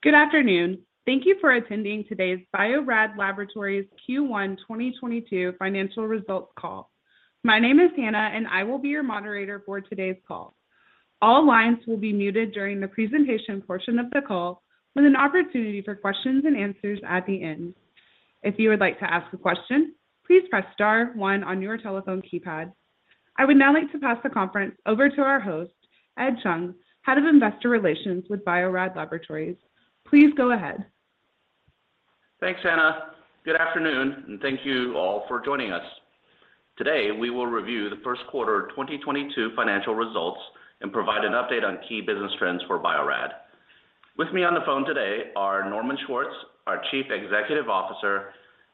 Good afternoon. Thank you for attending today's Bio-Rad Laboratories Q1 2022 financial results call. My name is Hannah, and I will be your moderator for today's call. All lines will be muted during the presentation portion of the call, with an opportunity for questions and answers at the end. If you would like to ask a question, please press star one on your telephone keypad. I would now like to pass the conference over to our host, Ed Chung, Head of Investor Relations with Bio-Rad Laboratories. Please go ahead. Thanks, Hannah. Good afternoon, and thank you all for joining us. Today, we will review the first quarter 2022 financial results and provide an update on key business trends for Bio-Rad. With me on the phone today are Norman Schwartz, our Chief Executive Officer,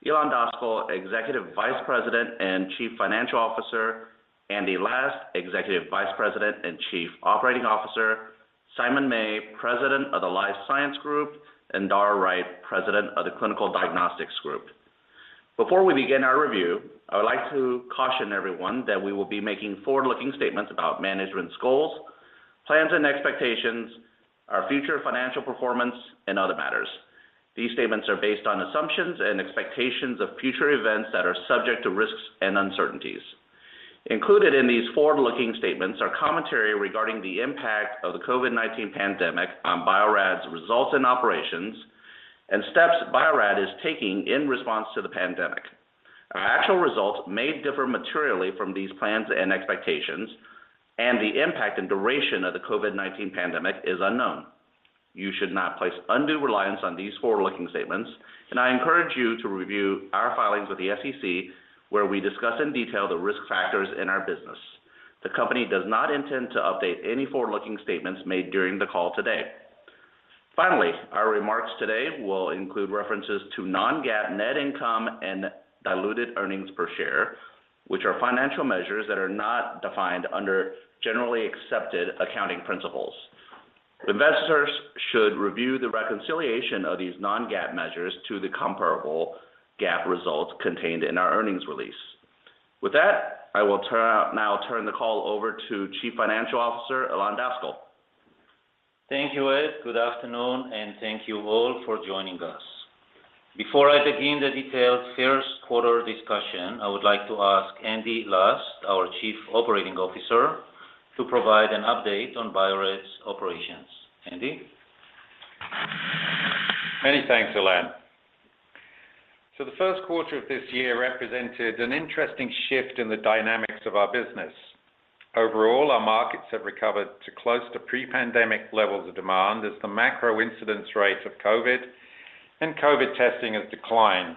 Ilan Daskal, Executive Vice President and Chief Financial Officer, Andy Last, Executive Vice President and Chief Operating Officer, Simon May, President of the Life Science Group, and Dara Wright, President of the Clinical Diagnostics Group. Before we begin our review, I would like to caution everyone that we will be making forward-looking statements about management's goals, plans, and expectations, our future financial performance, and other matters. These statements are based on assumptions and expectations of future events that are subject to risks and uncertainties. Included in these forward-looking statements are commentary regarding the impact of the COVID-19 pandemic on Bio-Rad's results and operations and steps Bio-Rad is taking in response to the pandemic. Our actual results may differ materially from these plans and expectations, and the impact and duration of the COVID-19 pandemic is unknown. You should not place undue reliance on these forward-looking statements, and I encourage you to review our filings with the SEC, where we discuss in detail the risk factors in our business. The company does not intend to update any forward-looking statements made during the call today. Finally, our remarks today will include references to non-GAAP net income and diluted earnings per share, which are financial measures that are not defined under generally accepted accounting principles. Investors should review the reconciliation of these non-GAAP measures to the comparable GAAP results contained in our earnings release. With that, I will now turn the call over to Chief Financial Officer, Ilan Daskal. Thank you, Ed. Good afternoon, and thank you all for joining us. Before I begin the detailed first quarter discussion, I would like to ask Andy Last, our Chief Operating Officer, to provide an update on Bio-Rad's operations. Andy? Many thanks, Ilan. The first quarter of this year represented an interesting shift in the dynamics of our business. Overall, our markets have recovered to close to pre-pandemic levels of demand as the macro incidence rate of COVID and COVID testing has declined.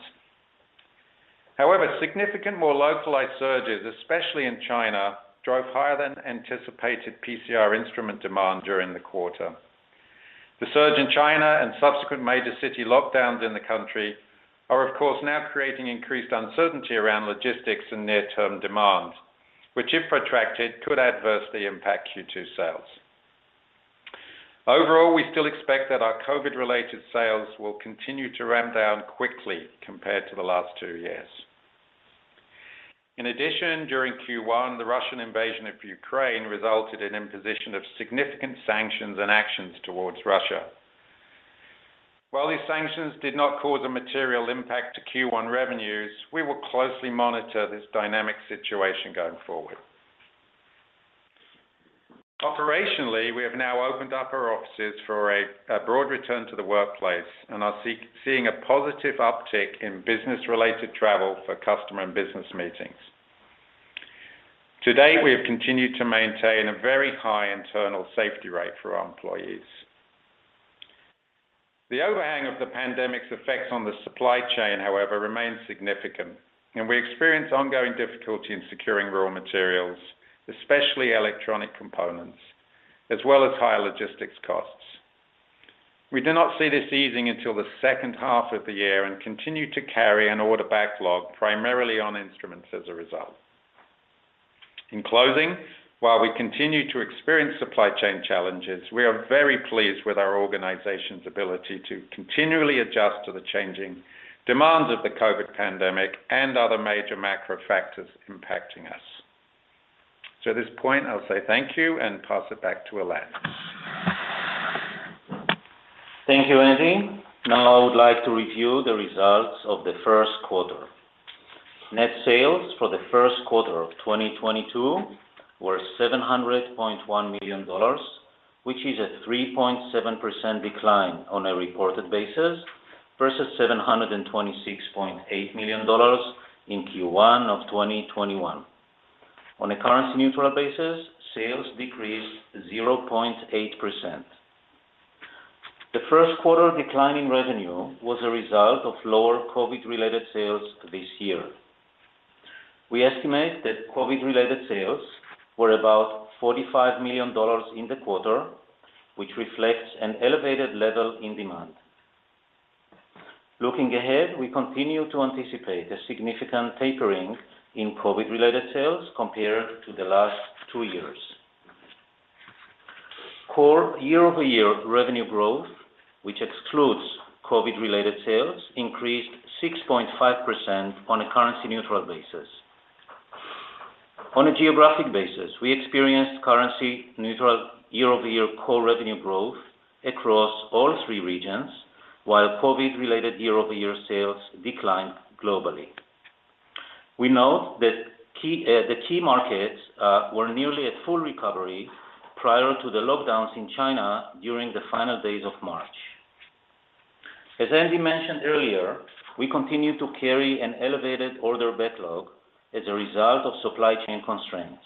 However, significant more localized surges, especially in China, drove higher than anticipated PCR instrument demand during the quarter. The surge in China and subsequent major city lockdowns in the country are of course now creating increased uncertainty around logistics and near-term demand, which if protracted, could adversely impact Q2 sales. Overall, we still expect that our COVID-related sales will continue to ramp down quickly compared to the last two years. In addition, during Q1, the Russian invasion of Ukraine resulted in imposition of significant sanctions and actions towards Russia. While these sanctions did not cause a material impact to Q1 revenues, we will closely monitor this dynamic situation going forward. Operationally, we have now opened up our offices for a broad return to the workplace and are seeing a positive uptick in business-related travel for customer and business meetings. To date, we have continued to maintain a very high internal safety rate for our employees. The overhang of the pandemic's effects on the supply chain, however, remains significant, and we experience ongoing difficulty in securing raw materials, especially electronic components, as well as higher logistics costs. We do not see this easing until the second half of the year and continue to carry an order backlog primarily on instruments as a result. In closing, while we continue to experience supply chain challenges, we are very pleased with our organization's ability to continually adjust to the changing demands of the COVID pandemic and other major macro factors impacting us. At this point, I'll say thank you and pass it back to Ilan. Thank you, Andy. Now I would like to review the results of the first quarter. Net sales for the first quarter of 2022 were $700.1 million, which is a 3.7% decline on a reported basis versus $726.8 million in Q1 of 2021. On a currency neutral basis, sales decreased 0.8%. The first quarter decline in revenue was a result of lower COVID-related sales this year. We estimate that COVID-related sales were about $45 million in the quarter, which reflects an elevated level in demand. Looking ahead, we continue to anticipate a significant tapering in COVID-related sales compared to the last two years. Core year-over-year revenue growth, which excludes COVID-related sales, increased 6.5% on a currency-neutral basis. On a geographic basis, we experienced currency-neutral year-over-year core revenue growth across all three regions, while COVID-related year-over-year sales declined globally. We note that the key markets were nearly at full recovery prior to the lockdowns in China during the final days of March. As Andy mentioned earlier, we continue to carry an elevated order backlog as a result of supply chain constraints.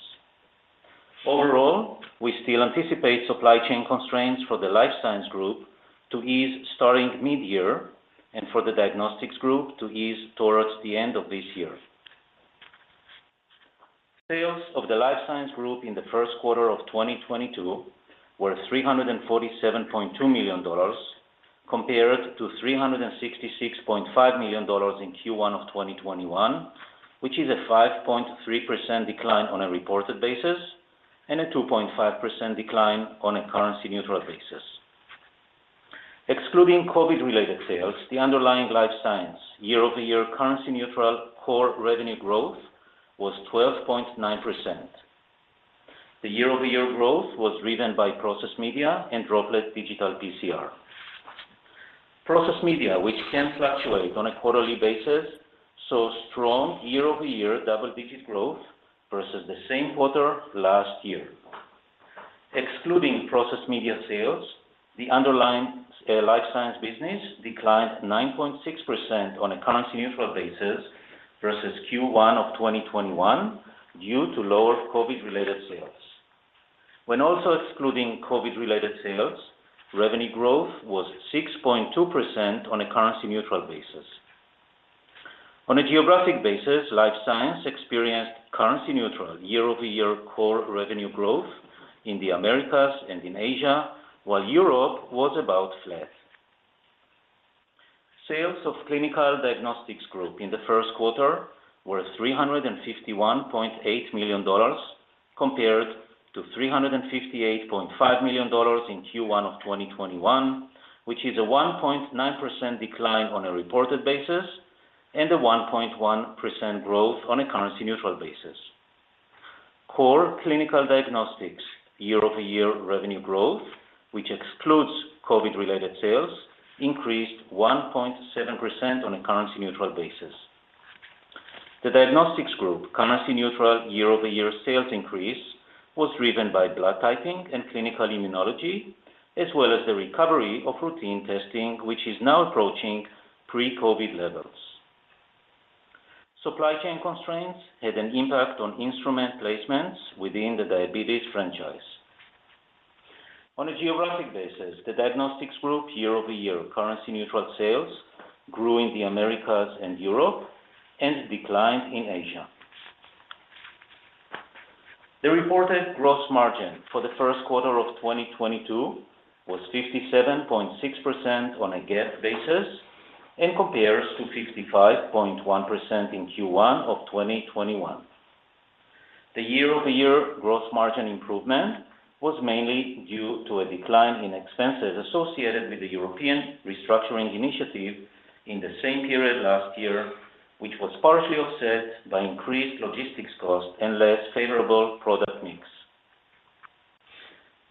Overall, we still anticipate supply chain constraints for the Life Science Group to ease starting mid-year and for the Diagnostics Group to ease towards the end of this year. Sales of the Life Science Group in the first quarter of 2022 were $347.2 million compared to $366.5 million in Q1 of 2021, which is a 5.3% decline on a reported basis, and a 2.5% decline on a currency neutral basis. Excluding COVID-related sales, the underlying Life Science year-over-year currency neutral core revenue growth was 12.9%. The year-over-year growth was driven by Process Chromatography and Droplet Digital PCR. Process Media, which can fluctuate on a quarterly basis, saw strong year-over-year double-digit growth versus the same quarter last year. Excluding Process Chromatography sales, the underlying Life Science business declined 9.6% on a currency neutral basis versus Q1 of 2021 due to lower COVID-related sales. When also excluding COVID-related sales, revenue growth was 6.2% on a currency neutral basis. On a geographic basis, Life Science experienced currency neutral year-over-year core revenue growth in the Americas and in Asia, while Europe was about flat. Sales of Clinical Diagnostics Group in the first quarter were $351.8 million, compared to $358.5 million in Q1 of 2021, which is a 1.9% decline on a reported basis and a 1.1% growth on a currency neutral basis. Core clinical diagnostics year-over-year revenue growth, which excludes COVID-related sales, increased 1.7% on a currency neutral basis. The Diagnostics Group currency neutral year-over-year sales increase was driven by blood typing and clinical immunology, as well as the recovery of routine testing, which is now approaching pre-COVID levels. Supply chain constraints had an impact on instrument placements within the diabetes franchise. On a geographic basis, the Diagnostics Group year-over-year currency neutral sales grew in the Americas and Europe and declined in Asia. The reported gross margin for the first quarter of 2022 was 57.6% on a GAAP basis and compares to 55.1% in Q1 of 2021. The year-over-year gross margin improvement was mainly due to a decline in expenses associated with the European restructuring initiative in the same period last year, which was partially offset by increased logistics costs and less favorable product mix.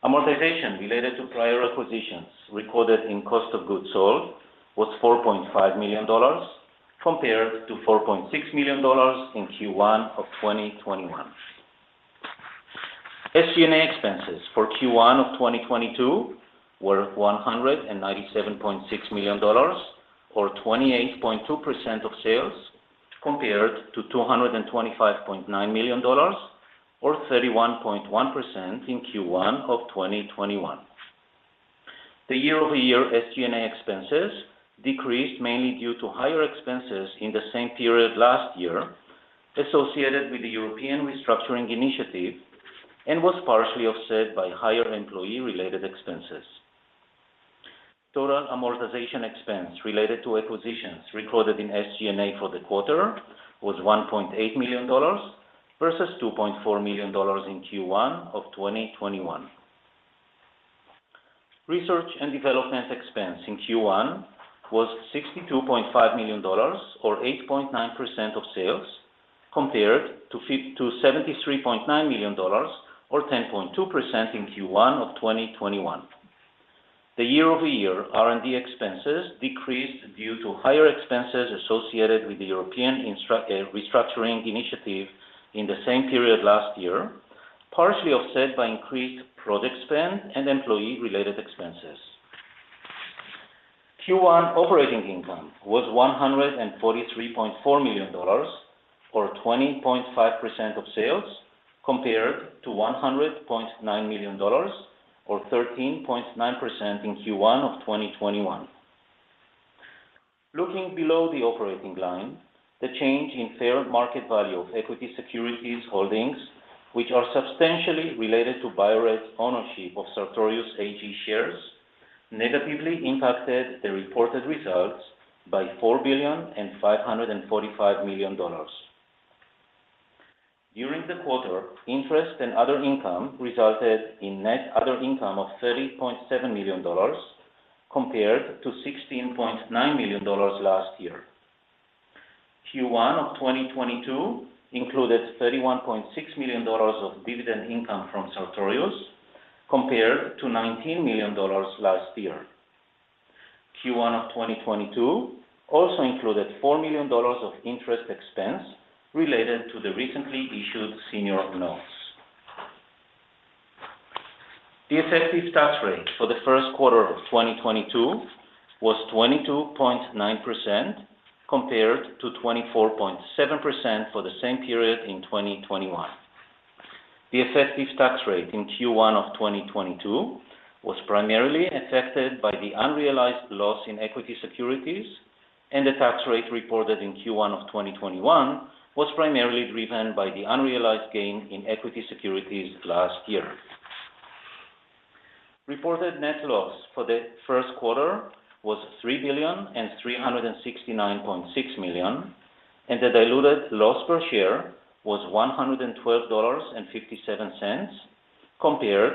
Amortization related to prior acquisitions recorded in cost of goods sold was $4.5 million, compared to $4.6 million in Q1 of 2021. SG&A expenses for Q1 of 2022 were $197.6 million or 28.2% of sales, compared to $225.9 million or 31.1% in Q1 of 2021. The year-over-year SG&A expenses decreased mainly due to higher expenses in the same period last year associated with the European restructuring initiative, and was partially offset by higher employee-related expenses. Total amortization expense related to acquisitions recorded in SG&A for the quarter was $1.8 million versus $2.4 million in Q1 of 2021. Research and development expense in Q1 was $62.5 million or 8.9% of sales, compared to seventy-three point nine million dollars or 10.2% in Q1 of 2021. The year-over-year R&D expenses decreased due to higher expenses associated with the European restructuring initiative in the same period last year, partially offset by increased product spend and employee-related expenses. Q1 operating income was $143.4 million or 20.5% of sales, compared to $100.9 million or 13.9% in Q1 of 2021. Looking below the operating line, the change in fair market value of equity securities holdings, which are substantially related to Bio-Rad's ownership of Sartorius AG shares, negatively impacted the reported results by $4.545 billion. During the quarter, interest and other income resulted in net other income of $30.7 million. Compared to $16.9 million last year. Q1 of 2022 included $31.6 million of dividend income from Sartorius, compared to $19 million last year. Q1 of 2022 also included $4 million of interest expense related to the recently issued senior notes. The effective tax rate for the first quarter of 2022 was 22.9% compared to 24.7% for the same period in 2021. The effective tax rate in Q1 of 2022 was primarily affected by the unrealized loss in equity securities, and the tax rate reported in Q1 of 2021 was primarily driven by the unrealized gain in equity securities last year. Reported net loss for the first quarter was $3.3696 billion, and the diluted loss per share was $112.57, compared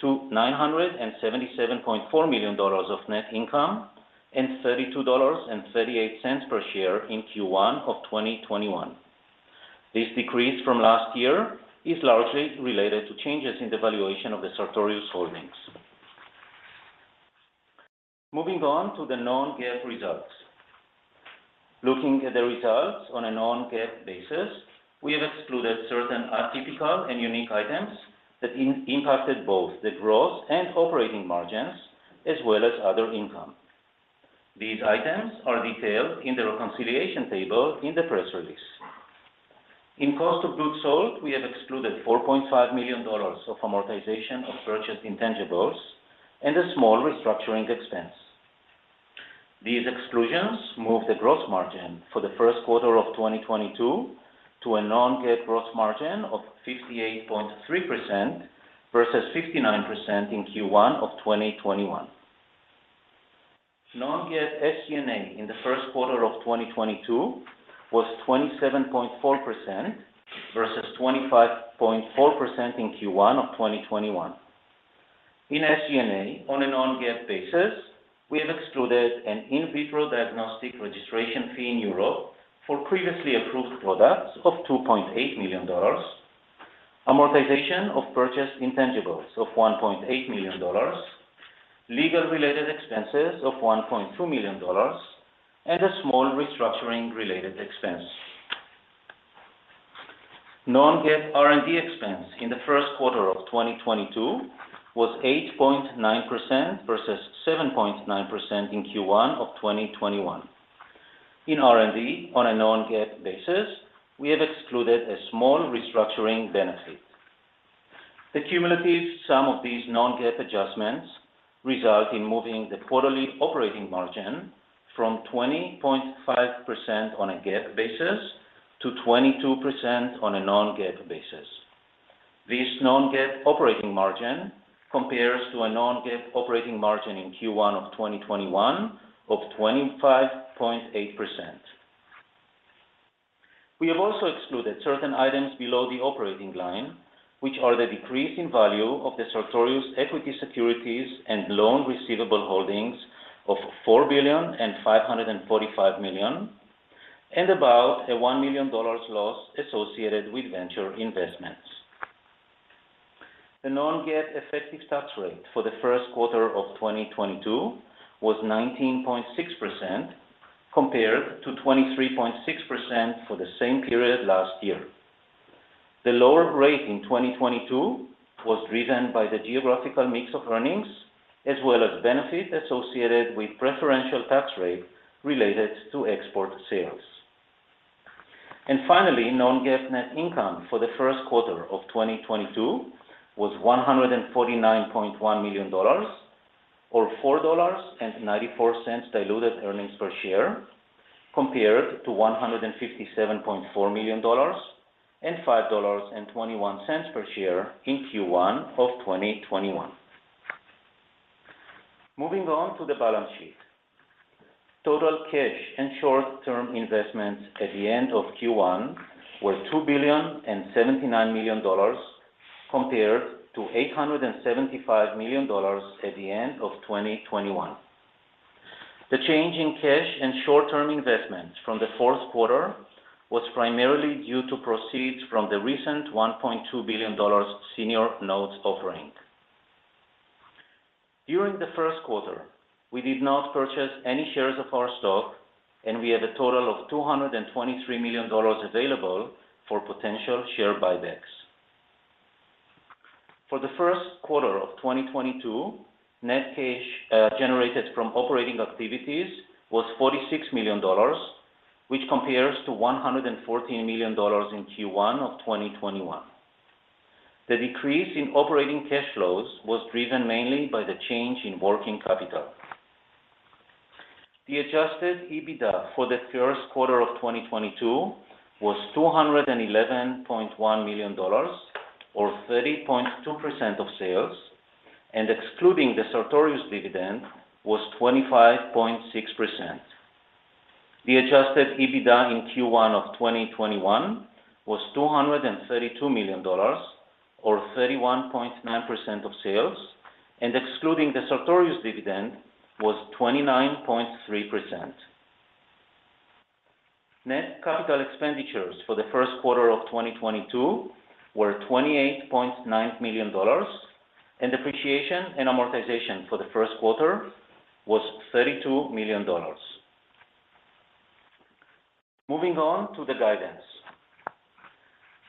to $977.4 million of net income, and $32.38 per share in Q1 of 2021. This decrease from last year is largely related to changes in the valuation of the Sartorius holdings. Moving on to the non-GAAP results. Looking at the results on a non-GAAP basis, we have excluded certain atypical and unique items that impacted both the gross and operating margins, as well as other income. These items are detailed in the reconciliation table in the press release. In cost of goods sold, we have excluded $4.5 million of amortization of purchased intangibles and a small restructuring expense. These exclusions move the gross margin for the first quarter of 2022 to a non-GAAP gross margin of 58.3% versus 59% in Q1 of 2021. Non-GAAP SG&A in the first quarter of 2022 was 27.4% versus 25.4% in Q1 of 2021. In SG&A on a non-GAAP basis, we have excluded an in vitro diagnostic registration fee in Europe for previously approved products of $2.8 million, amortization of purchased intangibles of $1.8 million, legal related expenses of $1.2 million, and a small restructuring related expense. Non-GAAP R&D expense in the first quarter of 2022 was 8.9% versus 7.9% in Q1 of 2021. In R&D on a non-GAAP basis, we have excluded a small restructuring benefit. The cumulative sum of these non-GAAP adjustments result in moving the quarterly operating margin from 20.5% on a GAAP basis to 22% on a non-GAAP basis. This non-GAAP operating margin compares to a non-GAAP operating margin in Q1 of 2021 of 25.8%. We have also excluded certain items below the operating line, which are the decrease in value of the Sartorius equity securities and loan receivable holdings of $4.545 billion, and about a $1 million loss associated with venture investments. The non-GAAP effective tax rate for the first quarter of 2022 was 19.6%, compared to 23.6% for the same period last year. The lower rate in 2022 was driven by the geographical mix of earnings, as well as benefit associated with preferential tax rate related to export sales. Finally, non-GAAP net income for the first quarter of 2022 was $149.1 million or $4.94 diluted earnings per share, compared to $157.4 million and $5.21 per share in Q1 of 2021. Moving on to the balance sheet. Total cash and short-term investments at the end of Q1 were $2.079 billion, compared to $875 million at the end of 2021. The change in cash and short-term investments from the fourth quarter was primarily due to proceeds from the recent $1.2 billion senior notes offering. During the first quarter, we did not purchase any shares of our stock, and we have a total of $223 million available for potential share buybacks. For the first quarter of 2022, net cash generated from operating activities was $46 million, which compares to $114 million in Q1 of 2021. The decrease in operating cash flows was driven mainly by the change in working capital. The adjusted EBITDA for the first quarter of 2022 was $211.1 million or 30.2% of sales, and excluding the Sartorius dividend was 25.6%. The adjusted EBITDA in Q1 of 2021 was $232 million or 31.9% of sales, and excluding the Sartorius dividend was 29.3%. Net capital expenditures for the first quarter of 2022 were $28.9 million, and depreciation and amortization for the first quarter was $32 million. Moving on to the guidance.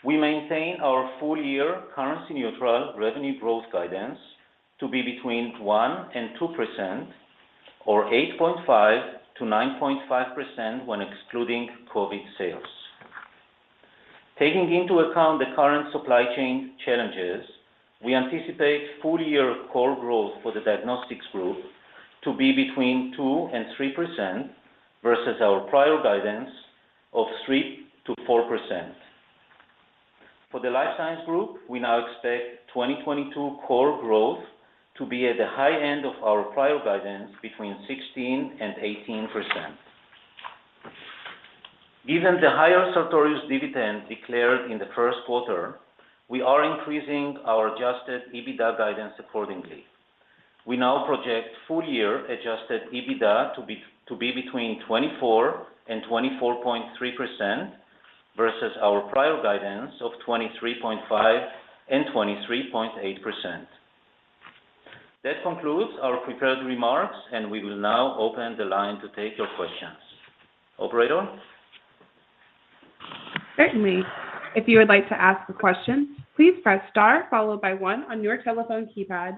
We maintain our full-year currency neutral revenue growth guidance to be between 1%-2% or 8.5%-9.5% when excluding COVID sales. Taking into account the current supply chain challenges, we anticipate full-year core growth for the Diagnostics Group to be between 2%-3% versus our prior guidance of 3%-4%. For the Life Science Group, we now expect 2022 core growth to be at the high end of our prior guidance between 16%-18%. Given the higher Sartorius dividend declared in the first quarter, we are increasing our adjusted EBITDA guidance accordingly. We now project full-year adjusted EBITDA to be between 24% and 24.3% versus our prior guidance of 23.5% and 23.8%. That concludes our prepared remarks, and we will now open the line to take your questions. Operator? Certainly. If you would like to ask a question, please press star followed by one on your telephone keypad.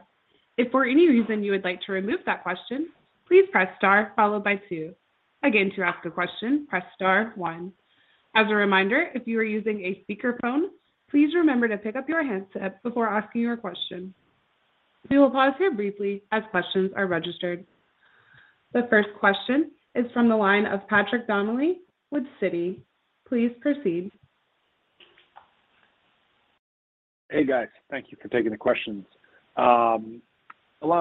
If for any reason you would like to remove that question, please press star followed by two. Again, to ask a question, press star one. As a reminder, if you are using a speakerphone, please remember to pick up your handset before asking your question. We will pause here briefly as questions are registered. The first question is from the line of Patrick Donnelly with Citi. Please proceed. Hey, guys. Thank you for taking the questions. Ilan,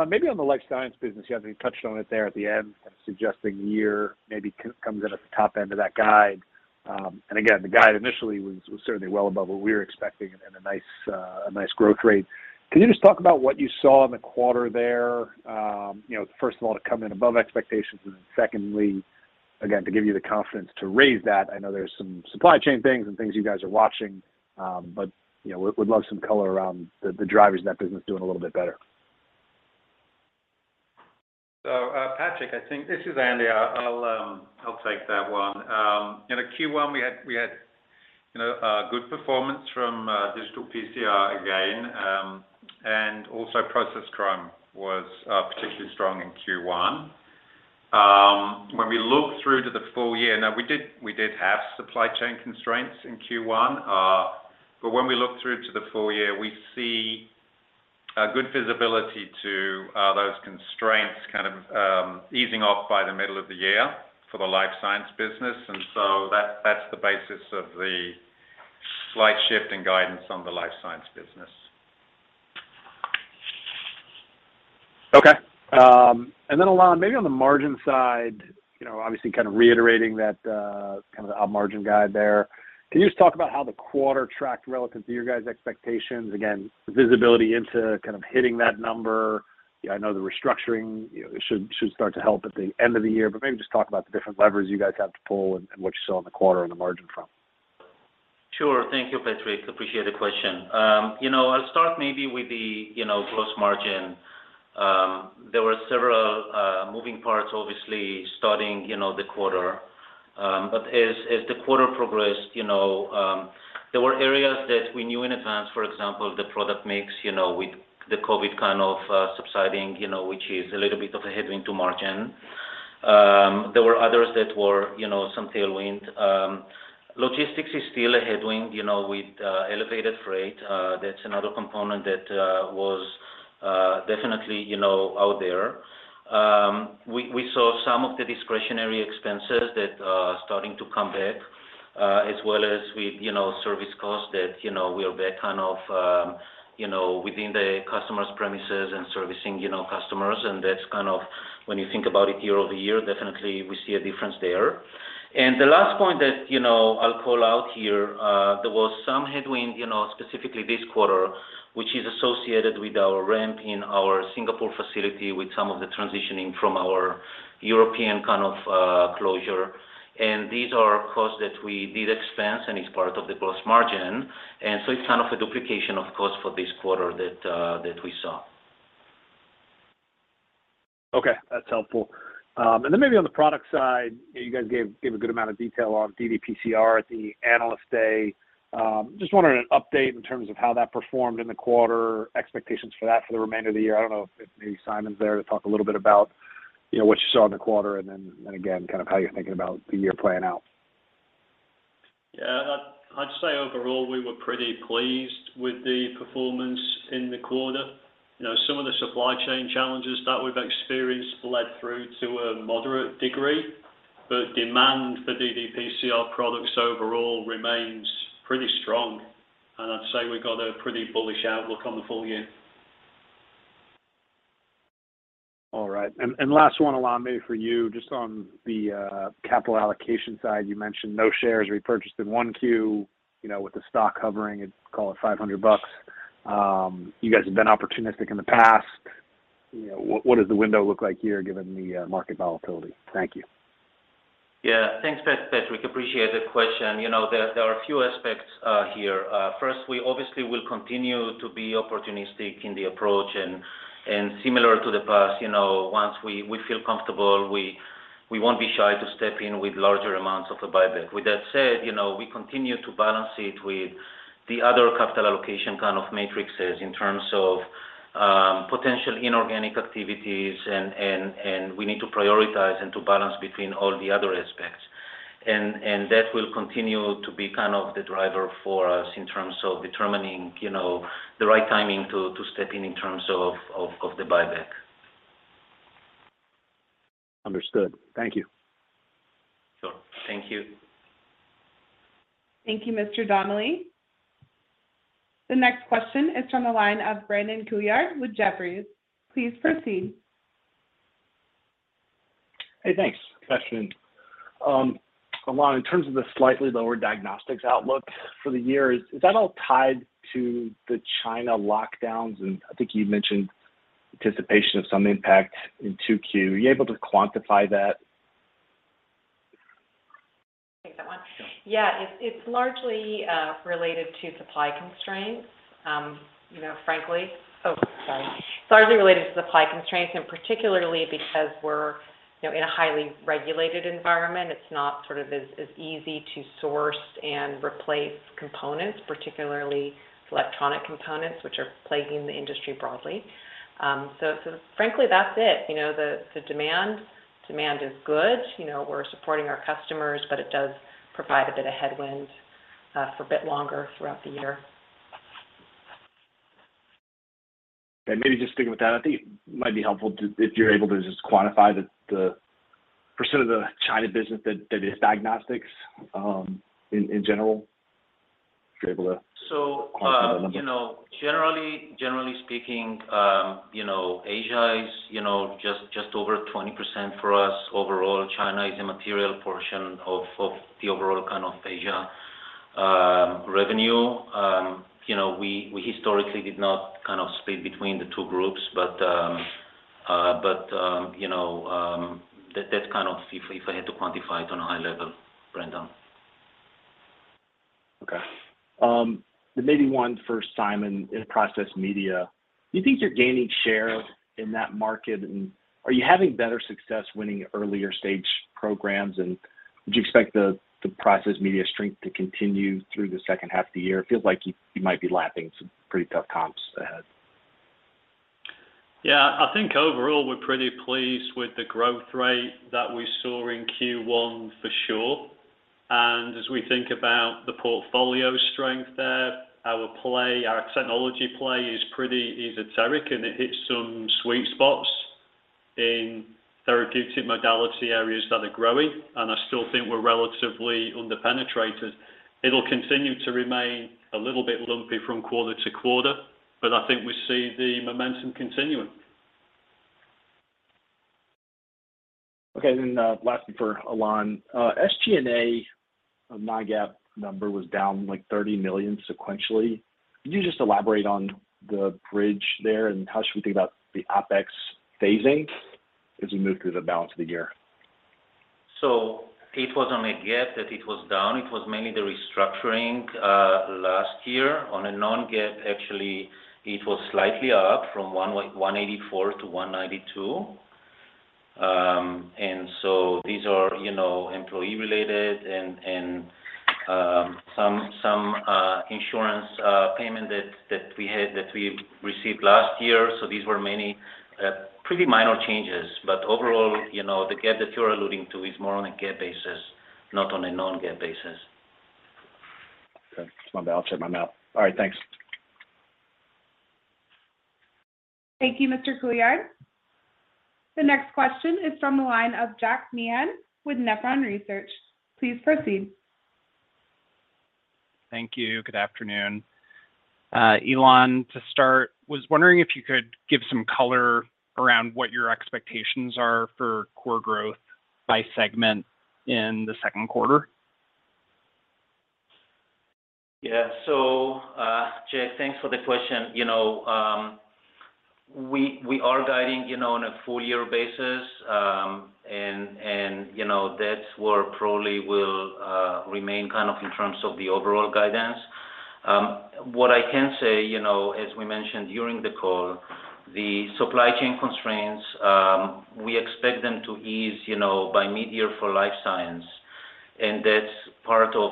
maybe on the life science business, you haven't touched on it there at the end, kind of suggesting year maybe comes in at the top end of that guide. Again, the guide initially was certainly well above what we're expecting and a nice growth rate. Can you just talk about what you saw in the quarter there, you know, first of all, to come in above expectations, and then secondly, again, to give you the confidence to raise that. I know there's some supply chain things and things you guys are watching, but, you know, we'd love some color around the drivers of that business doing a little bit better. Patrick, I think this is Andy. I'll take that one. You know, Q1, we had a good performance from digital PCR again, and also Process Media was particularly strong in Q1. When we look through to the full year, now we did have supply chain constraints in Q1, but when we look through to the full year, we see a good visibility to those constraints kind of easing off by the middle of the year for the life science business. That's the basis of the slight shift in guidance on the life science business. Okay. And then Ilan, maybe on the margin side, you know, obviously kind of reiterating that, kind of the margin guide there. Can you just talk about how the quarter tracked relative to your guys' expectations? Again, visibility into kind of hitting that number. I know the restructuring, you know, should start to help at the end of the year, but maybe just talk about the different levers you guys have to pull and what you saw in the quarter on the margin front. Sure. Thank you, Patrick. Appreciate the question. You know, I'll start maybe with the, you know, gross margin. There were several moving parts, obviously starting, you know, the quarter. As the quarter progressed, you know, there were areas that we knew in advance, for example, the product mix, you know, with the COVID kind of subsiding, you know, which is a little bit of a headwind to margin. There were others that were, you know, some tailwind. Logistics is still a headwind, you know, with elevated freight. That's another component that was definitely, you know, out there. We saw some of the discretionary expenses that are starting to come back, as well as with, you know, service costs that, you know, we are very kind of, you know, within the customer's premises and servicing, you know, customers. That's kind of when you think about it year over year, definitely we see a difference there. The last point that, you know, I'll call out here, there was some headwind, you know, specifically this quarter, which is associated with our ramp in our Singapore facility with some of the transitioning from our European kind of closure. These are costs that we did expense, and it's part of the gross margin. It's kind of a duplication of cost for this quarter that we saw. Okay. That's helpful. Then maybe on the product side, you guys gave a good amount of detail on ddPCR at the Analyst Day. Just wondering an update in terms of how that performed in the quarter, expectations for that for the remainder of the year. I don't know if maybe Simon's there to talk a little bit about, you know, what you saw in the quarter and then, and again, kind of how you're thinking about the year playing out. Yeah. I'd say overall, we were pretty pleased with the performance in the quarter. You know, some of the supply chain challenges that we've experienced bled through to a moderate degree, but demand for ddPCR products overall remains pretty strong. I'd say we've got a pretty bullish outlook on the full year. All right. Last one, Ilan, maybe for you. Just on the capital allocation side, you mentioned no shares repurchased in 1Q, you know, with the stock hovering at, call it $500. You guys have been opportunistic in the past. You know, what does the window look like here given the market volatility? Thank you. Yeah. Thanks, Patrick. Appreciate the question. You know, there are a few aspects here. First, we obviously will continue to be opportunistic in the approach and similar to the past, you know, once we feel comfortable, we won't be shy to step in with larger amounts of the buyback. With that said, you know, we continue to balance it with the other capital allocation kind of metrics in terms of potential inorganic activities and we need to prioritize and to balance between all the other aspects. That will continue to be kind of the driver for us in terms of determining, you know, the right timing to step in in terms of the buyback. Understood. Thank you. Sure. Thank you. Thank you, Mr. Donnelly. The next question is from the line of Brandon Couillard with Jefferies. Please proceed. Hey, thanks. Good afternoon. Ilan, in terms of the slightly lower diagnostics outlook for the year, is that all tied to the China lockdowns? I think you mentioned anticipation of some impact in 2Q. Are you able to quantify that? I'll take that one. Sure. It's largely related to supply constraints, and particularly because we're, you know, in a highly regulated environment, it's not as easy to source and replace components, particularly electronic components, which are plaguing the industry broadly. So, frankly, that's it. You know, the demand is good. You know, we're supporting our customers, but it does provide a bit of headwind for a bit longer throughout the year. Maybe just sticking with that, I think it might be helpful if you're able to just quantify the percent of the China business that is diagnostics, in general. So- Quantify that a little bit. You know, generally speaking, you know, Asia is, you know, just over 20% for us overall. China is a material portion of the overall kind of Asia revenue. You know, we historically did not kind of split between the two groups, but you know, that's kind of if I had to quantify it on a high level, Brandon. Okay. Maybe one for Simon in Process Chromatography. Do you think you're gaining share in that market? Are you having better success winning earlier stage programs? Would you expect the Process Chromatography strength to continue through the second half of the year? It feels like you might be lapping some pretty tough comps ahead. Yeah. I think overall we're pretty pleased with the growth rate that we saw in Q1 for sure. As we think about the portfolio strength there, our play, our technology play is pretty esoteric, and it hits some sweet spots in therapeutic modality areas that are growing, and I still think we're relatively under-penetrated. It'll continue to remain a little bit lumpy from quarter to quarter, but I think we see the momentum continuing. Okay. Lastly for Ilan. SG&A, non-GAAP number was down, like, $30 million sequentially. Could you just elaborate on the bridge there? How should we think about the OpEx phasing as we move through the balance of the year? It was on a GAAP that it was down. It was mainly the restructuring last year. On a non-GAAP, actually, it was slightly up from $184 to $192. These are, you know, employee-related and some insurance payment that we had that we received last year. These were mainly pretty minor changes. Overall, you know, the GAAP that you're alluding to is more on a GAAP basis, not on a non-GAAP basis. Okay. My bad, I'll check my mouth. All right. Thanks. Thank you, Mr. Couillard. The next question is from the line of Jack Meehan with Nephron Research. Please proceed. Thank you. Good afternoon. Ilan, to start, was wondering if you could give some color around what your expectations are for core growth by segment in the second quarter. Yeah. Jack, thanks for the question. You know, we are guiding, you know, on a full year basis, and, you know, that's where probably will remain kind of in terms of the overall guidance. What I can say, you know, as we mentioned during the call, the supply chain constraints, we expect them to ease, you know, by mid-year for Life Science. That's part of,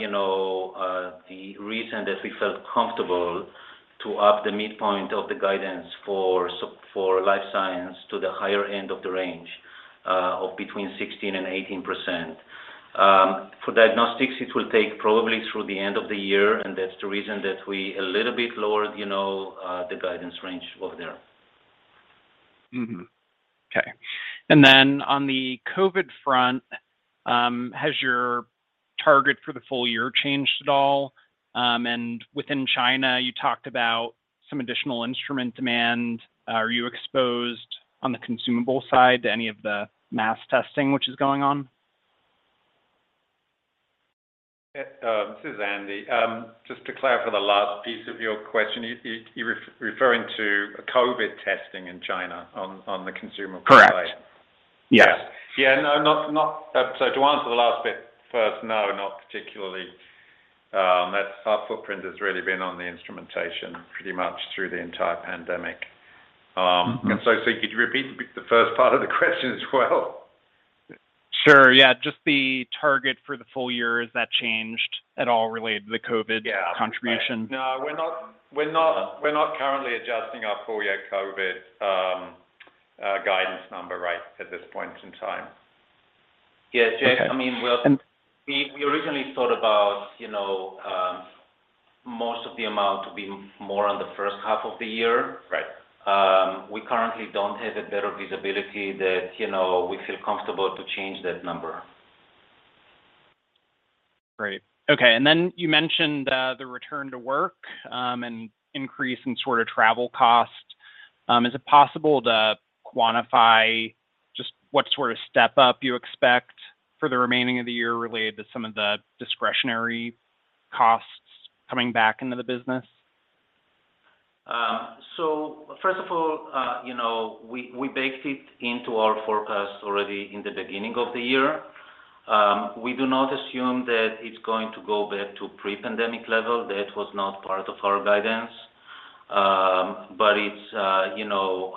you know, the reason that we felt comfortable to up the midpoint of the guidance for Life Science to the higher end of the range, of between 16% and 18%. For Diagnostics, it will take probably through the end of the year, and that's the reason that we a little bit lowered, you know, the guidance range over there. Mm-hmm. Then on the COVID front, has your target for the full year changed at all? Within China, you talked about some additional instrument demand. Are you exposed on the consumable side to any of the mass testing which is going on? This is Andy. Just to clarify the last piece of your question, you referring to COVID testing in China on the consumer side? Correct. Yes. Yeah. No. To answer the last bit first, no, not particularly. That's our footprint has really been on the instrumentation pretty much through the entire pandemic. Could you repeat the first part of the question as well? Sure. Yeah. Just the target for the full year, has that changed at all related to the COVID? Yeah contribution? No. We're not currently adjusting our full year COVID guidance number right at this point in time. Yeah, Jeff. Okay. I mean. And- We originally thought about, you know, most of the amount to be more on the first half of the year. Right. We currently don't have a better visibility that, you know, we feel comfortable to change that number. Great. Okay. You mentioned the return to work and increase in sort of travel cost. Is it possible to quantify just what sort of step up you expect for the remaining of the year related to some of the discretionary costs coming back into the business? First of all, you know, we baked it into our forecast already in the beginning of the year. We do not assume that it's going to go back to pre-pandemic level. That was not part of our guidance. It's, you know,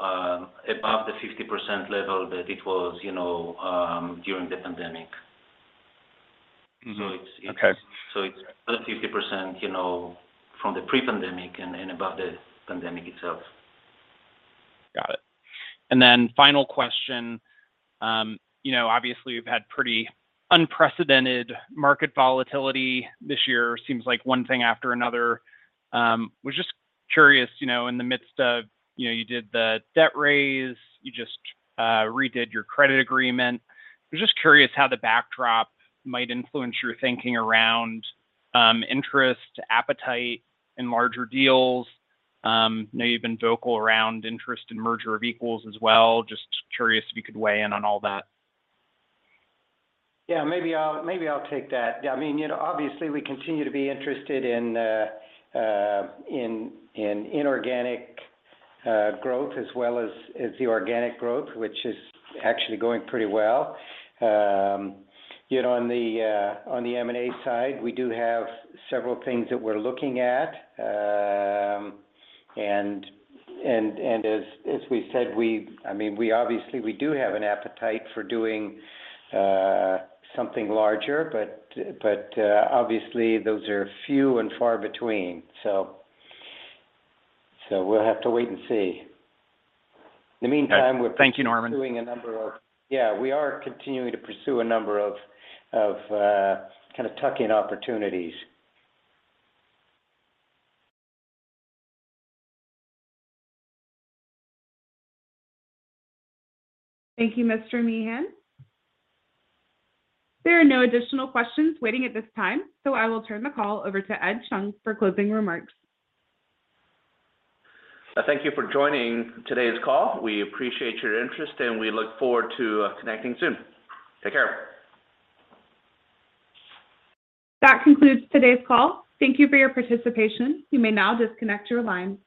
above the 50% level that it was, you know, during the pandemic. Mm-hmm. Okay. It's above the 50%, you know, from the pre-pandemic and above the pandemic itself. Got it. Final question. You know, obviously you've had pretty unprecedented market volatility this year. Seems like one thing after another. I was just curious, you know, in the midst of, you know, you did the debt raise, you just redid your credit agreement. I was just curious how the backdrop might influence your thinking around interest, appetite in larger deals. You know you've been vocal around interest in merger of equals as well. Just curious if you could weigh in on all that. Yeah, maybe I'll take that. Yeah. I mean, you know, obviously we continue to be interested in inorganic growth as well as the organic growth, which is actually going pretty well. You know, on the M&A side, we do have several things that we're looking at. As we said, I mean, we obviously do have an appetite for doing something larger, but obviously those are few and far between, so we'll have to wait and see. In the meantime, we're Thank you, Norman. Yeah, we are continuing to pursue a number of kind of tuck-in opportunities. Thank you, Mr. Meehan. There are no additional questions waiting at this time, so I will turn the call over to Ed Chung for closing remarks. Thank you for joining today's call. We appreciate your interest, and we look forward to connecting soon. Take care. That concludes today's call. Thank you for your participation. You may now disconnect your line.